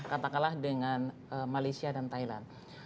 katakanlah dengan malaysia dan thailand